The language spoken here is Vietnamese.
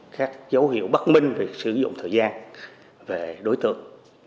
các dấu hiệu bất minh về sử dụng thời gian về đối tượng